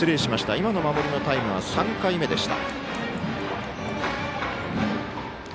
今の守りのタイムは３回目でした。